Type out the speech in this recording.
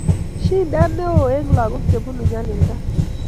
shidet neoo eng lakok chebunu nyalilda